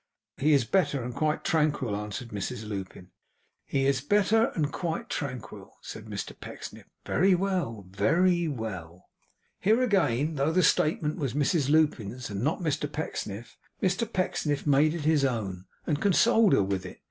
'He is better, and quite tranquil,' answered Mrs Lupin. 'He is better, and quite tranquil,' said Mr Pecksniff. 'Very well! Ve ry well!' Here again, though the statement was Mrs Lupin's and not Mr Pecksniff's, Mr Pecksniff made it his own and consoled her with it.